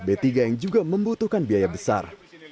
air limbah b tiga yang juga membutuhkan biaya besar